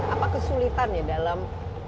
apa kesulitannya dalam